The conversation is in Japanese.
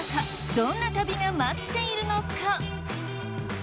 どんな旅が待っているのか。